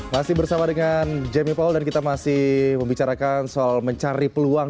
masih bersama dengan jamie paul dan kita masih membicarakan soal mencari peluang